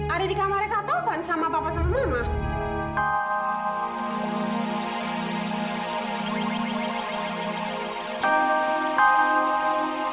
ada di kamarnya kak tovan sama papa sama mama